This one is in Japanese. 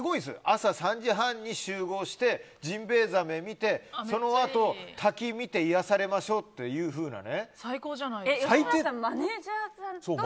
朝３時半に集合してジンベイザメ見てそのあと、滝見て癒やされましょうっていうふうな。